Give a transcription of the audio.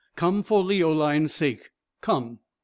Come, for Leoline's sake, come."